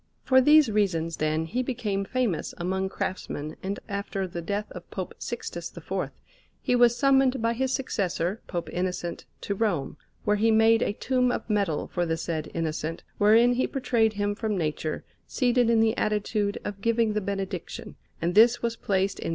For these reasons, then, he became famous among craftsmen, and after the death of Pope Sixtus IV he was summoned by his successor, Pope Innocent, to Rome, where he made a tomb of metal for the said Innocent, wherein he portrayed him from nature, seated in the attitude of giving the Benediction; and this was placed in S.